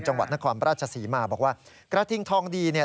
จังหวัดนครราชศรีมาบอกว่ากระทิงทองดีเนี่ย